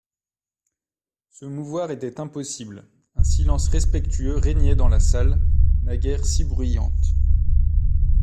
Se mouvoir était impossible: un silence respectueux régnait dans la salle, naguère si bruyante.